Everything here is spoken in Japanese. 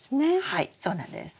はいそうなんです。